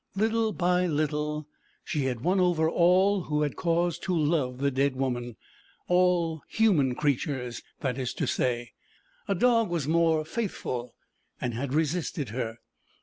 Little by little she had won over all who had cause to love the dead woman, all human creatures, that is to say: a dog was more faithful and had resisted her.